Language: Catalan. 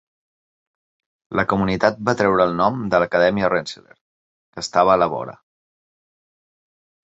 La comunitat va treure el nom de l'Acadèmia Rensselaer, que estava a la vora.